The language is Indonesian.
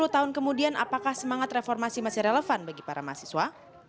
sepuluh tahun kemudian apakah semangat reformasi masih relevan bagi para mahasiswa